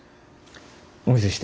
お見せして。